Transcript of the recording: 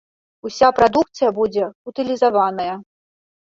Уся прадукцыя будзе ўтылізаваная.